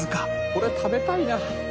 これ食べたいな。